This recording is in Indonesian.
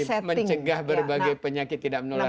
iya mencegah berbagai penyakit tidak menular tadi ya